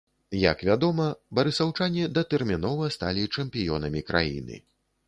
Як вядома, барысаўчане датэрмінова сталі чэмпіёнамі краны.